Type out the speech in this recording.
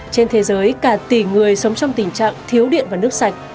trên thế giới cả tỷ người sống trong tình trạng thiếu điện và nước sạch